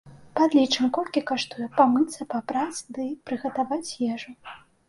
Падлічым, колькі каштуе памыцца, папраць ды прыгатаваць ежу.